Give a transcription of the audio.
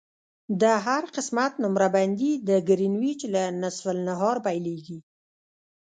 د هر قسمت نمره بندي د ګرینویچ له نصف النهار پیلیږي